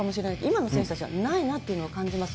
今の選手たちはないなというのを感じます。